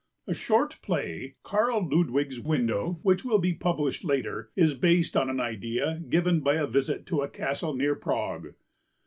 A short play, Karl Ludwig's Window, which will be published later, is based on an idea given by a visit to a castle near Prague.